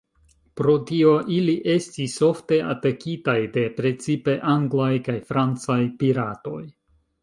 Pro tio ili estis ofte atakitaj de precipe anglaj kaj francaj piratoj.